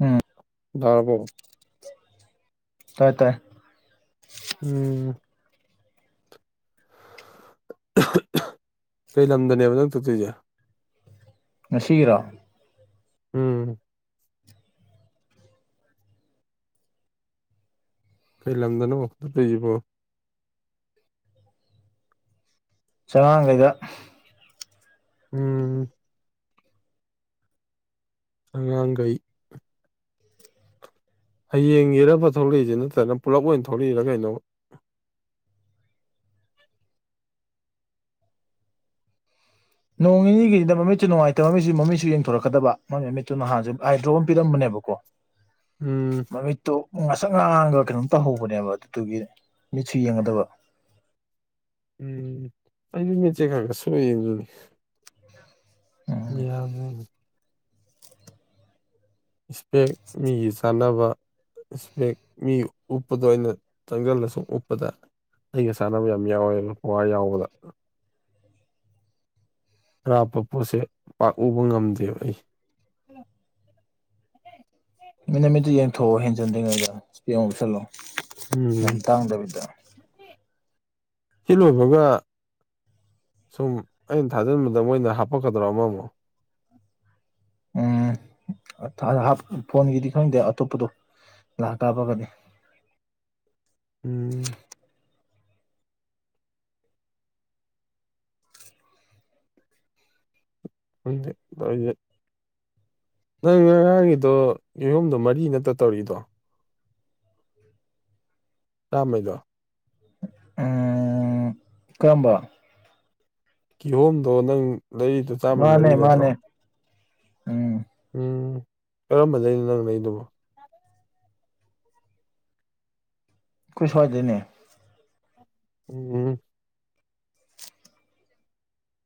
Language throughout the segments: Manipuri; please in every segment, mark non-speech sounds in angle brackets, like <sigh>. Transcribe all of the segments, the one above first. ꯎꯝ ꯔꯔꯕꯣ ꯇꯥꯏ ꯇꯥꯏ ꯎꯝ ꯀꯩ ꯂꯝꯗꯅꯦꯕ ꯅꯪ ꯊꯣꯛꯣꯛꯇꯣꯏꯁꯦ ꯉꯁꯤꯒꯤꯔꯣ ꯎꯝ ꯀꯩ ꯂꯝꯗꯅꯣ ꯋꯥꯈꯗ ꯂꯩꯕꯣ ꯆꯉꯥꯡꯒꯩꯗ ꯎꯝ ꯑꯉꯥꯡꯈꯩ ꯍꯌꯦꯡ ꯌꯦꯔꯕ ꯊꯣꯛꯂꯛꯏꯁꯦ ꯅꯠꯇꯅ ꯄꯨꯂꯞ ꯑꯣꯏꯅ ꯊꯣꯛꯂꯛꯏꯔ ꯀꯩꯅꯣ ꯅꯣꯡ ꯅꯤꯒꯤꯁꯤꯅ ꯃꯃꯤꯠꯇꯨ ꯅꯨꯡꯉꯥꯏꯇꯕ ꯃꯃꯤꯁꯨ ꯃꯃꯤꯠꯨ ꯌꯦꯡꯊꯣꯔꯛꯀꯗꯕ ꯃꯃꯤ ꯃꯃꯤꯠꯇꯨ ꯅꯍꯥꯟꯦ ꯑꯥꯏꯗ꯭ꯔꯣ ꯑꯃ ꯄꯤꯔꯝꯕꯅꯦꯕꯀꯣ ꯎꯝ ꯃꯃꯤ ꯇꯣ ꯉꯁꯛ ꯉꯥꯡꯉꯒ ꯀꯩꯅꯣꯝ ꯇꯧꯍꯧꯕꯅꯦꯕ ꯑꯗꯨꯗꯨꯒꯤ ꯃꯤꯠꯁꯨ ꯌꯦꯡꯒꯗꯕ ꯎꯝ ꯑꯩꯁꯨ ꯃꯦꯠꯆꯦ ꯈꯀ ꯁꯣꯏ ꯌꯦꯡꯗꯨꯅꯤ ꯎꯝ ꯌꯥꯗ ꯏꯁꯄꯦꯛ ꯃꯤꯒꯤ ꯆꯥꯟꯅꯕ ꯏꯁꯄꯦꯛ ꯃꯤ ꯎꯞꯄꯗꯣ ꯑꯩꯅ ꯇꯪꯁꯤꯜꯂꯁꯨꯝ ꯎꯞꯄꯗ ꯑꯩꯒ ꯁꯥꯟꯅꯕ ꯌꯥꯝ ꯌꯥꯎ ꯆꯋꯦꯕ ꯄꯨꯋꯥꯋꯥ ꯌꯥꯎꯕꯗ ꯑꯔꯥꯞꯄ ꯄꯣꯠꯁꯦ ꯄꯥꯛꯎꯕ ꯉꯝꯗꯦꯕ ꯑꯩ ꯃꯤꯅꯠꯃꯤꯠꯇ ꯌꯦꯡꯊꯣꯛꯑꯣ ꯍꯦꯟꯖꯟꯗ꯭ꯉꯩꯗ ꯌꯦꯡꯨ ꯆꯜꯂꯣ ꯎꯝ ꯁꯤ ꯂꯣꯏꯕꯒ ꯁꯨꯝ ꯑꯩꯅ ꯊꯥꯖꯤꯟꯕꯗ ꯃꯣꯏꯅ ꯍꯥꯞꯄꯛꯀꯗ꯭ꯔꯣ ꯑꯃꯃꯨꯛ ꯎ ꯐꯣꯟꯒꯤꯗꯤ ꯈꯪꯗꯦ ꯑꯇꯣꯞꯄꯗꯣ ꯂꯥꯛ ꯀꯥꯕꯒꯅꯤ ꯎꯝ <inaudible> ꯅꯪ ꯉꯔꯥꯡꯒꯤꯗꯣ ꯌꯦꯍꯨꯝꯗꯣ ꯃꯔꯤ ꯅꯠꯇ ꯇꯧꯔꯤꯗꯣ ꯇꯃꯩꯗꯣ ꯀꯔꯝꯕ ꯀꯤꯍꯣꯝꯗꯣ ꯅꯪ ꯂꯩꯔꯤꯗꯨ ꯃꯥꯅꯦ ꯃꯥꯅꯦ ꯎꯝ ꯎꯝ ꯀꯔꯝꯕꯗꯅꯣ ꯅꯪꯅꯗꯨꯕꯣ ꯀꯈꯣꯏ ꯁ꯭ꯋꯥꯏꯗꯣꯏꯅꯦ ꯎꯝ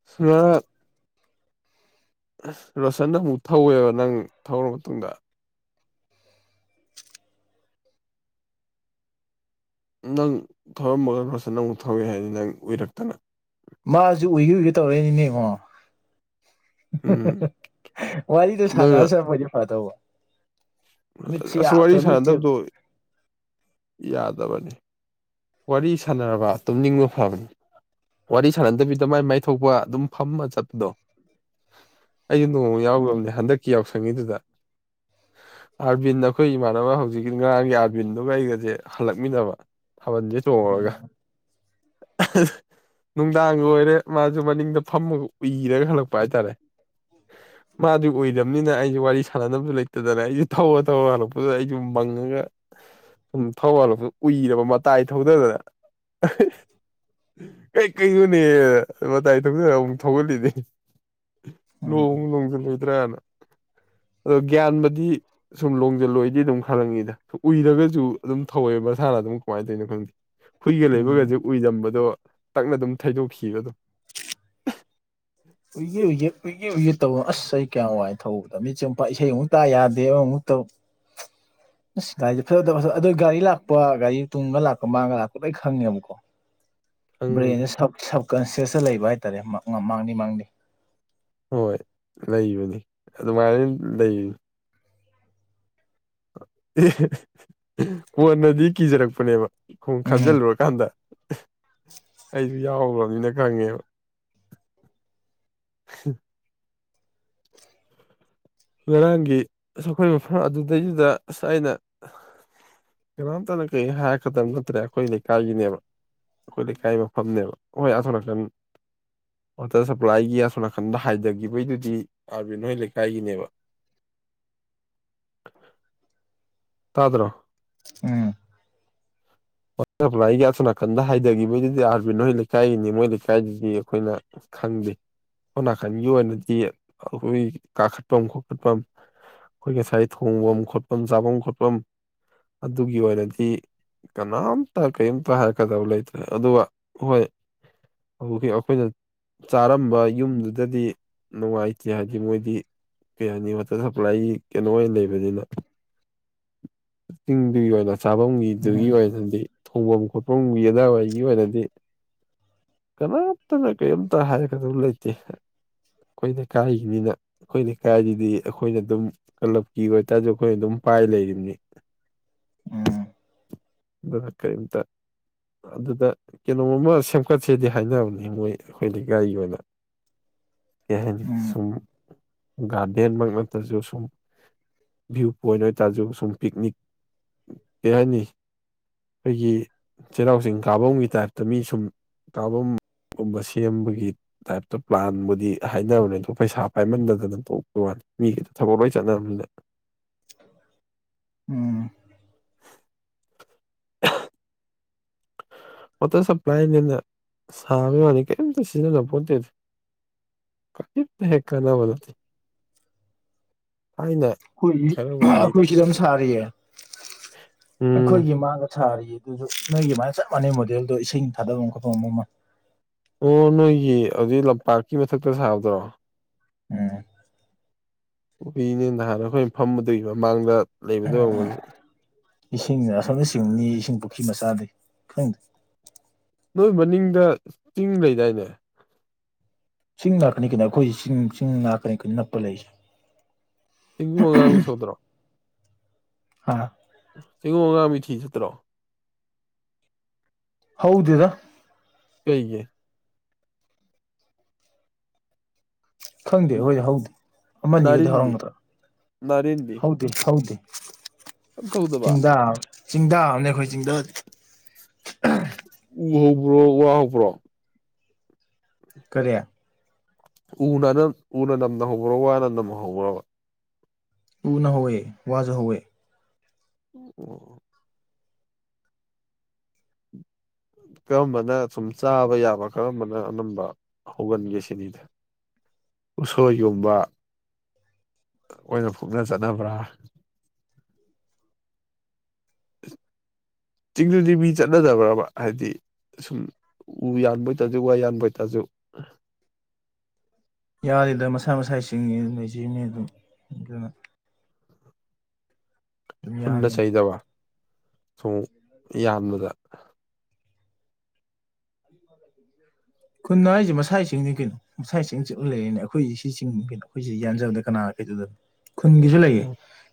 ꯁꯃ ꯔꯣꯁꯟ ꯑꯃꯨꯛ ꯊꯧꯋꯦꯕ ꯅꯪ ꯊꯧꯔ ꯃꯇꯨꯡꯗ ꯅꯪ ꯊꯧꯔꯝꯕꯒ ꯈꯣꯁꯨ ꯅꯪ ꯑꯃꯨꯛ ꯊꯧꯛꯏ ꯍꯥꯏꯗꯤ ꯅꯪ ꯎꯏꯔꯛꯇꯅ ꯃꯥꯁꯨ ꯎꯏꯈꯤ ꯎꯏꯒꯦ ꯇꯧꯔꯛꯏꯅꯤꯅꯦꯉꯣ ꯎꯝ ꯋꯥꯔꯤꯗꯣ ꯁꯥꯟꯅꯔ ꯆꯄꯗꯤ ꯐ ꯇꯧꯕ ꯑꯁꯨ ꯋꯥꯔꯤ ꯁꯥꯟꯅꯗꯕꯗꯣ ꯌꯥꯗꯕꯅꯤ ꯋꯥꯔꯤ ꯁꯥꯟꯅꯔꯕ ꯇꯨꯝꯅꯤꯡꯕ ꯐꯕꯅꯤ ꯋꯥꯔꯤ ꯁꯥꯟꯅꯗꯕꯤꯗ ꯃꯥꯏ ꯃꯥꯏꯊꯣꯛꯄ ꯑꯗꯨꯝ ꯐꯝꯃ ꯆꯠꯄꯗꯣ ꯑꯩꯁꯨ ꯅꯣꯡ ꯎꯝ ꯌꯥꯎꯈ꯭ꯔꯕꯅꯦ ꯍꯟꯗꯛꯀꯤ ꯌꯥꯎꯁꯪꯉꯤꯗꯨꯗ ꯑꯥꯔꯕꯤꯟ ꯑꯩꯈꯣꯏ ꯏꯃꯥꯟꯅꯕ ꯍꯧꯖꯤꯛꯀꯤ ꯉꯔꯥꯡꯒꯤ ꯑꯥꯔꯕꯤꯟꯗꯨꯒ ꯑꯩꯒꯁꯦ ꯍꯜꯂꯛꯃꯤꯟꯅꯕ ꯊꯕꯜꯁꯦ ꯆꯣꯡꯉꯨꯔꯒ ꯎꯝ ꯅꯨꯡꯗꯥꯡꯒꯤ ꯑꯣꯏꯔꯦ ꯃꯥꯁꯨ ꯃꯅꯤꯡꯗ ꯐꯝꯃꯒ ꯎꯏꯔꯒ ꯍꯜꯂꯛꯄ ꯍꯥꯏꯇꯥꯔꯦ ꯃꯥꯗꯤ ꯑꯣꯏꯗꯕꯅꯤꯅ ꯑꯩꯁꯨ ꯋꯥꯔꯤ ꯁꯥꯟꯅꯅꯕꯁꯨ ꯂꯩꯇꯗꯅ ꯑꯩꯁꯨ ꯊꯧꯔ ꯊꯧꯔ ꯍꯜꯂꯛꯄꯗꯨꯗ ꯑꯩꯁꯨ ꯃꯪꯉꯒ ꯁꯨꯝ ꯊꯧꯕꯥꯜꯂꯁꯨ ꯎꯏꯔꯕ ꯃꯇꯥꯏ ꯊꯧꯗꯗꯅ ꯀꯩꯀꯩꯩꯅꯣꯅꯦ ꯃꯇꯥꯏ ꯊꯧꯖꯔ ꯑꯃꯨꯛ ꯊꯧꯒꯂꯤꯗꯤ ꯅꯣꯡ ꯎꯝ ꯂꯣꯡꯁꯤꯂꯣꯏꯗ꯭ꯔꯥꯅ ꯑꯗꯣ ꯒ꯭ꯌꯥꯟꯕꯗꯤ ꯁꯨꯝ ꯂꯣꯡꯖꯟꯂꯣꯏꯗꯤ ꯑꯗꯨꯝ ꯈꯜꯂꯉꯤꯗ ꯎꯏꯔꯒꯁꯨ ꯑꯗꯨꯝ ꯊꯧꯋꯦ ꯃꯁꯥꯅ ꯑꯗꯨꯝ ꯀꯃꯥꯏꯅꯗꯣꯏꯅꯣ ꯈꯪꯗꯦ ꯍꯨꯏꯒ ꯎꯝ ꯂꯩꯕꯒꯁꯦ ꯎꯏꯗꯝꯕꯗꯣ ꯇꯛꯅ ꯑꯗꯨꯝ ꯊꯩꯗꯣꯛꯈꯤꯕꯈꯤꯕ ꯑꯗꯨꯣ ꯎꯨꯏꯦ ꯎꯏꯦ ꯎꯏꯒꯦꯨꯏꯒꯦ ꯇꯧꯕꯅꯣ ꯑꯁ ꯑꯩ ꯀꯌꯥꯝ ꯋꯥꯏ ꯊꯧꯕꯗ ꯃꯤꯆꯦ ꯑꯃꯨ ꯏꯁꯩ ꯑꯃꯨꯛ ꯇꯥ ꯌꯥꯗꯦ ꯑꯃꯨꯛꯇ ꯇ <unintelligible> ꯑꯁ ꯒꯥꯔꯤꯁꯦ ꯐꯖꯗꯕ ꯐꯖ ꯑꯗꯣ ꯒꯥꯔꯤ ꯂꯥꯛꯄ ꯒꯥꯔꯤ ꯇꯨꯡꯒ ꯂꯥꯛꯄ ꯃꯥꯡꯒ ꯂꯥꯛꯄ ꯂꯣꯏ ꯈꯪꯉꯦꯕꯀꯣ ꯈꯪꯕꯅꯤ ꯕ꯭ꯔꯦꯟꯁꯦ ꯁꯕꯀꯟꯁꯤꯌꯁꯇ ꯂꯩꯕ ꯍꯥꯏꯇꯥꯔꯦ ꯃꯥꯡꯅꯤ ꯃꯥꯡꯅꯤ ꯍꯣꯏ ꯂꯩꯕꯅꯤ ꯑꯗꯨꯃꯥꯏꯅ ꯂꯩꯕꯅꯤ ꯀꯣꯟꯅꯗꯤ ꯀꯤꯖꯔꯛꯄꯅꯦꯕ ꯈꯣꯡ ꯎꯝ ꯈꯟꯖꯤꯜꯂꯨꯔꯀꯥꯟꯗ ꯑꯩꯁꯨ ꯌꯥꯎ꯭ꯔꯕꯅꯤꯅ ꯉꯝꯌꯥ ꯉꯔꯥꯡꯒꯤ ꯑꯩꯈꯣꯏ ꯃꯐꯝ ꯑꯗꯨꯗꯩꯗꯨꯗ ꯑꯩꯅ ꯀꯩꯅꯣꯝꯇꯅ ꯀꯔꯤ ꯍꯥꯏꯔꯀꯗꯕ ꯅꯠꯇ꯭ꯔꯦ ꯑꯩꯈꯣꯏ ꯂꯩꯀꯥꯏꯒꯤꯅꯦꯕ ꯑꯩꯈꯣꯏ ꯂꯩꯀꯥꯏ ꯃꯐꯝꯅꯦꯕ ꯍꯣꯏ ꯑꯊꯣꯀꯟ ꯋꯥꯇꯔ ꯁꯄ꯭ꯂꯥꯏꯒꯤ ꯑꯁꯣꯅꯥꯀꯟꯗ ꯍꯥꯏꯊꯈꯤꯕꯒꯤꯗꯨꯗꯤ ꯑꯥꯔꯕꯤꯟꯅꫭꯏ ꯂꯩꯀꯥꯏꯒꯤꯅꯦꯕ ꯇꯥꯗ꯭ꯔꯣ ꯎꯝ <inaudible> ꯋꯥꯇꯔ ꯁꯄ꯭ꯂꯥꯏꯒꯤ ꯑꯁꯣ ꯅꯥꯀꯟꯗ ꯍꯥꯏꯊꯈꯤꯕꯗꯨꯗꯤ ꯑꯥꯔꯕꯤꯟꯅꫭꯏ ꯂꯩꯀꯥꯏꯒꯤꯅꯤ ꯃꯣꯏ ꯂꯩꯀꯥꯏꯗꯨꯗꯤ ꯑꯩꯈꯣꯏꯅ ꯈꯪꯗꯦ ꯑꯣꯅꯥꯀꯟꯒꯤ ꯑꯣꯏꯅꯗꯤ ꯑꯩ ꯀꯥꯈꯠꯐꯝ ꯈꯣꯈꯠꯐꯝ ꯑꯩꯈꯣꯏ ꯉꯁꯥꯏ ꯊꯣꯡꯐꯝ ꯈꯣꯠꯐꯝ ꯆꯥꯐꯝ ꯈꯣꯠꯐꯝ ꯑꯗꯨꯒꯤ ꯑꯣꯏꯔꯗꯤ ꯀꯅꯥꯝꯇ ꯀꯔꯤꯝꯇ ꯍꯥꯏꯔꯛꯀꯗꯕ ꯂꯩꯇ꯭ꯔꯦ ꯑꯗꯨꯒ ꯍꯣꯏ ꯑꯣꯒꯤ ꯑꯩꯈꯣꯏꯅ ꯆꯥꯔꯝꯕ ꯌꯨꯝꯗꯨꯗꯗꯤ ꯅꯨꯡꯉꯥꯏꯇꯦ ꯍꯥꯏꯗꯤ ꯃꯣꯏꯗꯤ ꯀꯩ ꯍꯥꯏꯅꯤ ꯋꯥꯇꯔ ꯁꯄ꯭ꯂꯥꯏꯒꯤ ꯀꯩꯅꯣ ꯑꯣꯏꯅ ꯂꯩꯕꯅꯤꯅ ꯆꯤꯡꯗꯨꯒꯤ ꯑꯣꯏꯅ ꯆꯥꯐꯝꯒꯤꯗꯨꯒꯤ ꯎꯝ ꯑꯣꯏꯅꯗꯤ ꯊꯣꯡꯐꯝ ꯈꯣꯠꯐꯝꯒꯤ ꯑꯗꯥꯋꯥꯒꯤ ꯑꯣꯏꯅꯗꯤ ꯀꯅꯥꯝꯇꯅ ꯀꯔꯤꯝꯇ ꯍꯥꯏꯔꯛꯀꯗꯨꯕ ꯂꯩꯇꯦ ꯑꯩꯈꯣꯏꯅ ꯀꯥꯏꯈꯤꯕꯅꯤꯅ ꯑꯩꯈꯣꯏ ꯂꯩꯀꯥꯏꯒꯤꯗꯤ ꯑꯩꯈꯣꯏꯅ ꯑꯗꯨꯝ ꯀ꯭ꯂꯥꯞꯀꯤ ꯑꯣꯏꯇꯥꯔꯁꯨ ꯑꯩꯈꯣꯏꯅ ꯑꯗꯨꯝ ꯄꯥꯏ ꯂꯩꯔꯤꯕꯅꯤ ꯎꯝ ꯑꯗꯨꯒ ꯀꯔꯤꯝꯇꯥ ꯑꯗꯨꯗ ꯀꯩꯅꯣꯝꯃ ꯁꯦꯝꯒꯠꯁꯦꯗꯤ ꯍꯥꯏꯅꯕꯅꯤ ꯃꯣꯏ ꯑꯩꯈꯣꯏ ꯂꯩꯀꯥꯏꯒꯤ ꯑꯣꯏꯅ ꯀꯩ ꯍꯥꯏꯅꯤ ꯎꯝ ꯁꯨꯝ ꯒꯥꯔꯗꯦꯟꯃꯛ ꯅꯠꯇ꯭ꯔꯁꯨ ꯁꯨꯝ ꯚꯤꯌꯨ ꯄꯣꯏꯟ ꯑꯣꯏꯇꯥꯔꯁꯨ ꯁꯨꯝ ꯄꯤꯛꯅꯤꯛ ꯀꯩ ꯍꯥꯏꯅꯤ ꯑꯩꯒꯤ ꯆꯩꯔꯥꯎ ꯆꯤꯡ ꯀꯥꯐꯝꯒꯤ ꯇꯥꯏꯞꯇ ꯃꯤ ꯁꯨꯝ ꯀꯥꯐꯝ ꯒꯨꯝꯕ ꯁꯦꯝꯕꯒꯤ ꯇꯥꯏꯞꯇ ꯄ꯭ꯂꯥꯟꯕꯨꯗꯤ ꯍꯥꯏꯅꯕꯅꯦ ꯑꯗꫭ ꯄꯩꯁꯥ ꯄꯥꯏꯃꯟꯗꯗꯅ ꯇꯣꯛꯄ ꯋꯥꯅꯤ ꯃꯤꯒꯤꯗꯤ ꯊꯕꯛ ꯂꯣꯏ ꯆꯠꯅꯕꯅꯤꯅꯦ ꯎꯝ <unintelligible> ꯋꯥꯇꯔ ꯁꯄ꯭ꯂꯥꯏꯅꯦꯅ ꯁꯥꯕꯒꯤ ꯋꯥꯅꯤ ꯀꯔꯤꯝꯇ ꯁꯤꯖꯤꯟꯅ ꯄꯣꯟꯇꯦꯗꯤ ꯀꯔꯤꯝꯇ ꯍꯦꯛ ꯀꯥꯟꯅꯕ ꯅꯠꯇꯦ ꯊꯥꯏꯅ ꯑꯩꯈꯣꯏꯒꯤ ꯈꯔꯕꯨꯗꯤ ꯑꯩꯈꯣꯏ ꯁꯤꯗꯥ ꯑꯃ ꯁꯥ꯭ꯔꯤꯌꯦ ꯎꯝ ꯑꯩꯈꯣꯏꯒꯤ ꯃꯥꯡꯗ ꯁꯥ꯭ꯔꯤꯌꯦ ꯑꯗꯨꯁꯨ ꯅꯣꯏꯒꯤ ꯑꯗꯨꯃꯥꯏꯅ ꯆꯞ ꯃꯥꯟꯅꯩ ꯃꯣꯗꯦꯜꯗꯣ ꯏꯁꯤꯡ ꯊꯥꯗꯐꯝ ꯈꯣꯠꯄꯐꯝ ꯑꯃ ꯑꯃ ꯑꯣ ꯅꯣꯏꯒꯤ ꯑꯗꯨꯏ ꯂꯝꯄꯥꯛ ꯀꯤ ꯃꯊꯛꯇ ꯁꯥꯕꯗꫭ ꯎꯝ ꯎꯄꯤꯅꯦ ꯅꯍꯥꯟ ꯑꯩꯈꯣꯏꯒꯤ ꯐꯝꯕꯗꯨꯒꯤ ꯃꯃꯥꯡꯗ ꯂꯩꯕꯗꫭ ꯑꫭꯏꯔꯝꯒꯅꯤ ꯏꯁꯤꯡ ꯑꯁꯣꯝꯗꯥꯏ ꯆꯤꯡꯅꯤ ꯏꯁꯤꯡ ꯄꯨꯈ꯭ꯔꯤ ꯃꯆꯥꯗꯥꯏ ꯈꯪꯗꯦ ꯅꯣꯏ ꯃꯅꯤꯡꯗ ꯆꯤꯡ ꯂꯩꯗꯥꯏꯅꯦ ꯆꯤꯡ ꯉꯥꯛꯇꯅꯤ ꯀꯩꯅꯣ ꯑꯩꯈꯣꯏꯁꯦ ꯆꯤꯡ ꯆꯤꯡ ꯉꯥꯛꯇꯅꯤ ꯀꯩꯅꯣ ꯅꯞꯄ ꯂꯩꯔꯤꯁꯦ ꯆꯦꯡꯒꯨꯝ ꯑꯉꯥꯡꯕꯤ ꯁꯧꯗ꯭ꯔꯣ ꯍꯥ ꯆꯦꯡꯒꯨꯝ ꯑꯉꯥꯡꯕꯤ ꯊꯤ ꯆꯠꯇ꯭ꯔꯣ ꯍꯧꯗꯦꯗ ꯀꯩꯒꯤ ꯈꯪꯗꯦ ꯑꯩꯈꫭꯏꯗꯤ ꯍꯧꯗꯦ ꯑꯃ ꯑꯅꯤꯕꯨꯗꯤ ꯅꯥꯔꯤꯟꯗꯤ ꯍꯧꯔꯝꯒꯗ꯭ꯔꯥ ꯅꯥꯔꯤꯟꯗꯤ ꯍꯧ ꯍꯧꯗꯦ ꯑꯝ ꯇꯧꯗꯕ ꯆꯤꯡꯗꯥ ꯑꯃꯅꯦ ꯆꯤꯡꯗꯥ ꯑꯃꯅꯦ ꯑꯩꯈꯣꯏ ꯆꯤꯡꯗꯁꯦ ꯎ ꯍꯧꯕ꯭ꯔꯣ ꯋꯥ ꯍꯧꯕ꯭ꯔꯣ ꯀꯔꯤ ꯎꯅ ꯑꯅꯝ ꯎꯅ ꯅꯝꯅꯍꯧꯕ꯭ꯔꫭ ꯋꯥꯅ ꯅꯝꯍꯧꯕ꯭ꯔꫭꯕ ꯎꯅ ꯍꯧꯋꯦ ꯋꯥꯁꯨ ꯍꯧꯋꯦ ꯎꯝ ꯑꯣ ꯀꯔꯝꯕꯅ ꯁꯨꯝ ꯆꯥꯕ ꯌꯥꯕ ꯀꯔꯝꯕꯅ ꯑꯅꯝꯕ ꯍꯧꯒꯟꯒꯦ ꯁꯤꯅꯤꯗ ꯎꯁꯣꯏꯒꯨꯝꯕ ꯑꯣꯏꯅ ꯐꯨꯛꯅ ꯆꯥꯅꯕ꯭ꯔꯥ ꯆꯤꯡꯗꯗꯤ ꯃꯤ ꯆꯠꯅꯗꯕ꯭ꯔꯕ ꯍꯥꯏꯗꯤ ꯁꯨꯝ ꯎ ꯌꯥꯟꯕ ꯑꯣꯏꯇꯥꯔꯁꯨ ꯋꯥ ꯌꯥꯟꯕ ꯑꯣꯏꯇꯥꯔꯁꯨ ꯌꯥꯔꯤꯗ ꯃꯁꯥ ꯃꯁꯥꯁꯤꯡꯒꯤ ꯑꯗꯨ ꯂꯩꯖꯔꯤꯕꯅꯤ ꯑꯗꯨꯝ ꯑꯗꯨꯅ ꯑꯗꯨꯝ ꯈꯨꯟꯅ ꯌꯥꯕꯅꯤ ꯆꯩꯗꯕ ꯁꯨꯝ ꯌꯥꯝꯕꯗ ꯈꯨꯟꯅ ꯍꯥꯏꯁꯦ ꯃꯁꯥꯒꯤ ꯆꯤꯡꯅꯤ ꯀꯩꯅꯣ ꯉꯁꯥꯁꯤꯡ ꯆꯠꯂ ꯂꯩꯔꯅꯦ ꯑꯩꯈꯣꯏ ꯁꯤ ꯆꯤꯡꯅꯤ ꯀꯩꯅꯣ ꯑꯩꯈꯣꯏꯁꯤ ꯌꯥꯟꯖꯕꯗ ꯀꯅꯥ ꯀꯩꯗꯧꯗꯅꯣ ꯈꯨꯟꯒꯤꯁꯨ ꯂꯩꯌꯦ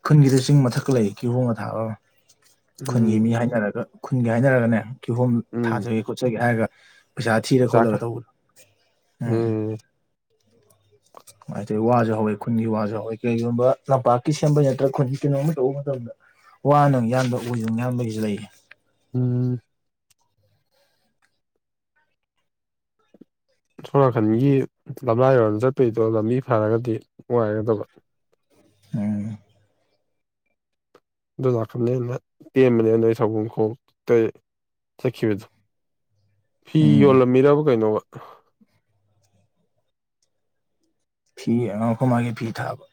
ꯈꯨꯟꯒꯤꯁꯨ ꯆꯤꯡ ꯃꯊꯛ ꯂꯩ ꯀꯤꯍꯣꯡ ꯑꯊꯥꯕ ꯈꯨꯟꯒꯤ ꯎꯝ ꯃꯤ ꯍꯥꯏꯅꯔꯒ ꯈꯨꯟꯒꯤ ꯍꯥꯏꯅꯔꯒꯅꯦ ꯀꯤꯍꯣꯝ ꯎꯝ ꯊꯥꯖꯒꯦ ꯈꯣꯠꯆꯒꯦ ꯍꯥꯏꯔꯒ ꯄꯁꯥ ꯊꯤꯔ ꯆꯥꯛꯀ ꯈꯣꯂꯒ ꯇꯧꯕꯗꯨ ꯎꯝ <unintelligible> ꯀꯃꯥꯏꯅ ꯇꯧꯋꯤ ꯋꯥꯁꯨ ꯍꯧꯋꯦ ꯈꯨꯟꯒꯤ ꯋꯥꯁꯨ ꯍꯧꯋꯦ ꯀꯩꯒꯨꯝꯕ ꯂꯝꯄꯥꯛꯀꯤ ꯁꯦꯝꯕꯩ ꯅꯠꯇ꯭ꯔꯥ ꯈꯨꯟꯒꯤ ꯀꯩꯅꯣꯝꯃ ꯇꯧꯕ ꯃꯇꯝꯗ ꯋꯥꯅ ꯌꯥꯟꯕ ꯎꯗꯨꯅ ꯌꯥꯟꯕꯒꯤꯁꯨ ꯂꯩꯔꯤ ꯎꯝ ꯊꯣꯔꯥꯈꯟꯒꯤ ꯂꯝꯂꯥꯏꯔꯣꯗ ꯆꯠꯄꯩꯗꯣ ꯂꯝꯕꯤ ꯐꯔꯒꯗꯤ ꯅꯨꯡꯉꯥꯏꯒꯗꯕ ꯎꯝ ꯑꯗꯨ ꯂꯥꯛꯄꯅꯦ ꯑꯅ ꯇꯦꯟꯕꯅꯦ ꯑ ꯅꯣꯏ ꯁꯒꯨꯝ ꯈꯣꯛꯇꯩ ꯆꯠꯈꯤꯕꯗꯣ ꯐꯤ ꯎꯝ ꯌꯣꯜꯂꯝꯃꯤꯔꯕ ꯀꯩꯅꯣꯕ ꯐꯤ ꯑ ꯑꯩꯈꯣꯏ ꯃꯥꯒꯤ ꯐꯤ ꯊꯥꯕ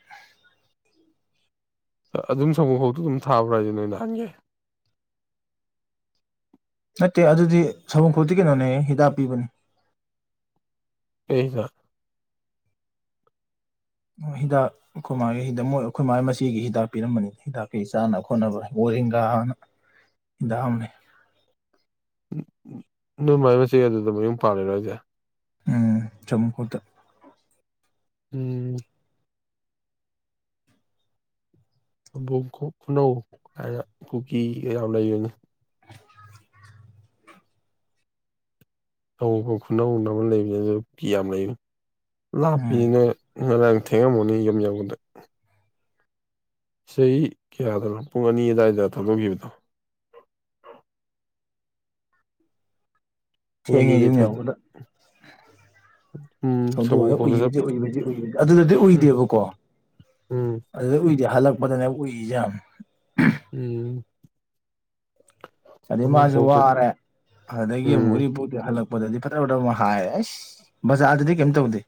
ꯑꯗꯨꯝ ꯁꯪꯒꯣ ꯐꯥꯎꯗꯣ ꯑꯗꯨꯝ ꯊꯥꯕ꯭ꯔꯥꯁꯦ ꯅꯣꯏꯅ ꯍꯪꯒꯦ ꯅꯠꯇꯦ ꯑꯗꯨꯗꯤ ꯁꯕꯣꯝ ꯈꯧꯗꯤ ꯀꯩꯅꯣꯅꯦ ꯍꯤꯗꯥꯛ ꯄꯤꯕꯅꯦ ꯀꯩ ꯍꯤꯗꯥꯛ ꯍꯤꯗꯥꯛ ꯑꯩꯈꯣꯏ ꯃꯥꯒꯤ ꯍꯤꯗ ꯃꯣꯏ ꯑꯩꯈꯣꯏ ꯃꯥꯒꯤ ꯃꯆꯦꯒꯤ ꯍꯤꯗꯥꯛ ꯄꯤꯔꯝꯕꯅꯤꯅ ꯍꯤꯗꯥꯛꯀꯤ ꯆꯥꯅ ꯈꯣꯠꯅꯕ ꯋꯥꯔꯦꯡꯒꯥꯅ <unintelligible> ꯅꯣꯏ ꯃꯥ ꯃꯆꯦ ꯑꯗꯨꯗ ꯃꯌꯨꯝ ꯄꯥꯂꯔꯣ ꯍꯥꯏꯁꯦ ꯎꯝ ꯆꯝꯈꯣꯗ ꯎꯝ ꯕꯣꯛ ꯈꯨꯡꯅꯧ ꯍꯥꯏꯔꯒ ꯀꯨꯀꯤꯒ ꯌꯥꯝ ꯂꯩꯕꯅꯦ ꯑꯌꯡꯈꯨꯜ ꯈꯨꯟꯧ ꯀꯨꯀꯛꯜ ꯌꯥꯝ ꯂꯩꯕꯅꯦ ꯂꯥꯞꯄꯤ ꯎꯝ ꯅꯣꯇ ꯅ ꯅꯪ ꯊꯦꯡꯉꯝꯃꯨꯅꯤ ꯌꯨꯝ ꯌꯧꯕꯗ ꯆꯍꯤ ꯀꯌꯥꯗꯅꯣ ꯄꯨꯡ ꯑꯅꯤ ꯑꯗꯨꯋꯥꯏꯗ ꯊꯧꯅꯈꯤꯕꯗꯣ ꯄꯨꯡ ꯊꯦꯡꯉꯦ ꯑꯅꯤꯗꯩ ꯌꯨꯝ ꯊꯧꯗꯣꯛ ꯌꯥꯎꯕꯗ ꯎꯝ ꯁꯒꯣꯜ ꯊꯣꯡꯗꯣꯛꯑꯒ ꯈꯣꯡꯗ ꯆꯠꯄ ꯎꯏꯕꯗꯤ ꯎꯏꯕꯗꯤ ꯎꯏꯕꯗꯤ ꯑꯗꯨꯗꯗꯤ ꯎꯏꯗꯦꯕꯀꯣ ꯎꯝ ꯑꯗꯨꯗ ꯎꯏꯗꯤ ꯍꯜꯂꯛꯄꯗꯅꯦ ꯎꯏꯁꯦ ꯌꯥꯝ ꯎꯝ ꯆꯅꯤ ꯃꯁꯨ ꯀꯃꯟꯀꯣꯛꯇ ꯋꯥꯔꯦ ꯑꯗꯨꯗꯒꯤ ꯑꯃꯨꯛ ꯎꯝ ꯎꯔꯤꯄꯣꯗꯤꯤ ꯍꯜꯂꯛꯄ ꯗꯗꯤ ꯐꯠꯇꯕ ꯐꯕ ꯍꯥꯏꯔꯦ ꯑꯩꯁ ꯕꯖꯥꯔꯗꯗꯤ ꯀꯩꯝ ꯇꯧꯗꯦ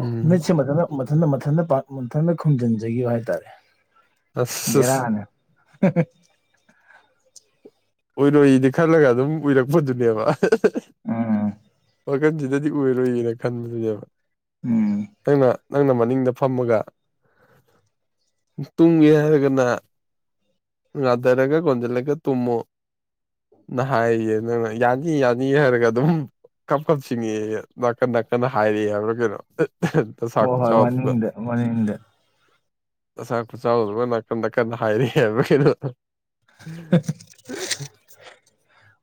ꯎꯝ ꯃꯤꯠꯁꯦ ꯃꯊꯟ ꯃꯊꯟ ꯃꯊꯟꯇ ꯃꯊꯟꯇ ꯈꯨꯝꯖꯤꯟꯖꯈꯤꯕ ꯍꯥꯏꯇꯥꯔꯦ ꯑꯁ ꯑꯁ ꯦꯔꯅꯦ ꯎꯏꯔꯣꯏꯗꯤ ꯈꯜꯂꯒ ꯑꯗꯨꯝ ꯎꯏꯔꯛꯄꯗꯨꯅꯦꯕ ꯎꯎꯉ ꯋꯥꯈꯟꯁꯤꯗꯗꯤ ꯎꯏꯔꯣꯏꯌꯦꯅ ꯈꯟꯕꯗꯨꯅꯦꯕ ꯎꯝ ꯅꯪꯅ ꯅꯪꯅ ꯃꯅꯤꯡꯗ ꯐꯝꯃꯒ ꯇꯨꯝꯒꯦ ꯍꯥꯏꯔꯒꯅ ꯉꯥꯟꯗꯔꯒ ꯀꯣꯟꯁꯤꯂꯒ ꯇꯨꯝꯃꯣ ꯅꯍ ꯍꯥꯏꯌꯦ ꯅꯪꯅ ꯌꯥꯅꯤ ꯌꯥꯅꯤ ꯍꯥꯏꯔꯒ ꯑꯗꯨꯝ ꯀꯞ ꯀꯞ ꯁꯤꯡꯉꯛꯦ ꯅꯥꯀꯟ ꯅꯥꯀꯟ ꯍꯥꯏꯔꯛꯑꯦ ꯍꯥꯏꯕ꯭ꯔꯥ ꯀꯩꯅꯣ ꯍꯣꯏ ꯍꯣꯏ ꯃꯅꯤꯡꯗ ꯃꯅꯤꯡꯗ <unintelligible> <unintelligible> <unintelligible>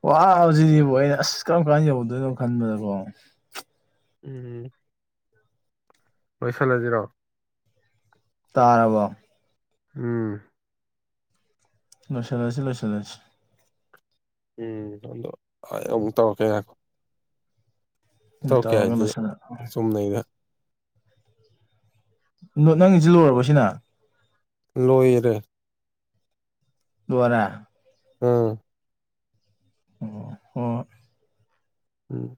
ꯋꯥ ꯕꯖꯤꯛꯁꯤꯕꯨ ꯑꯩ ꯑꯁ ꯀꯔꯝ ꯀꯥꯟ ꯌꯧꯗꯣꯏꯅꯣ ꯈꯟꯕꯗꯀꯣ ꯎꯝ ꯂꯣꯏꯁꯤꯜꯂꯁꯤꯔꯣ ꯇꯥꯔꯔꯕꯣ ꯎꯝ ꯂꯣꯏꯁꯜꯂꯁꯤ ꯂꯣꯏꯁꯂꯁꯤ ꯎꯝ ꯑꯗꯣ ꯑꯩ ꯑꯃꯨꯛ ꯇꯧꯔꯛꯀꯦ ꯉꯑꯏꯈꯣ ꯇꯣꯎꯔꯛꯀꯦ ꯇꯧꯔꯒ ꯍꯥꯏꯗꯤ ꯂꯣꯏꯁꯤꯜꯂ ꯆꯨꯝ ꯅꯩꯔꯦ ꯅꯪꯒꯤꯁꯤꯦ ꯂꯣꯏꯔꯕꯁꯤꯅ ꯂꯣꯏꯔꯦ ꯂꯣꯏꯔꯦ ꯎꯝ ꯑꯣ ꯑꯣ ꯎꯝ